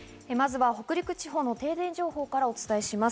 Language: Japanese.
まずは北陸地方の停電情報からお伝えします。